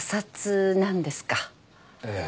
ええ。